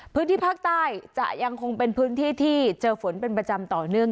พื้นที่ภาคใต้จะยังคงเป็นพื้นที่ที่เจอฝนเป็นประจำต่อเนื่อง